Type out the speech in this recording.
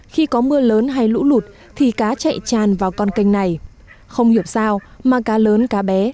khi có mưa lớn hay lũ lụt thì cá chạy tràn vào con kênh này không hiểu sao mà cá lớn cá bé